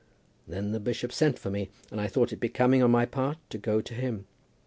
Then the bishop sent for me, and I thought it becoming on my part to go to him.